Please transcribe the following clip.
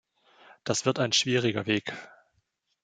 Das wird ein schwieriger Weg.